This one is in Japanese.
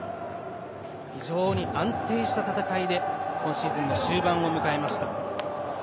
非常に安定した戦いで今シーズンの終盤を迎えました。